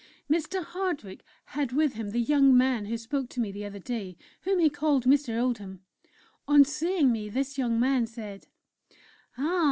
_) Mr. Hardwick had with him the young man who spoke to me the other day, whom he called Mr. Oldham. On seeing me this young man said: "'Ah!